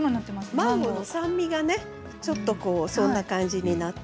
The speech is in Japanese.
マンゴーの酸味がちょっとそんな感じになって。